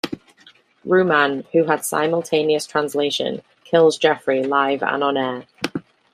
Rumann, who had simultaneous translation, kills Geoffrey live and on-air.